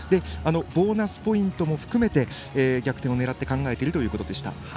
ボーナスポイントも含めて逆転を狙って考えているということでした。